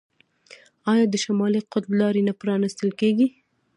آیا د شمالي قطب لارې نه پرانیستل کیږي؟